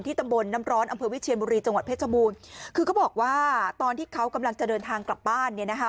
ตำบลน้ำร้อนอำเภอวิเชียนบุรีจังหวัดเพชรบูรณ์คือเขาบอกว่าตอนที่เขากำลังจะเดินทางกลับบ้านเนี่ยนะคะ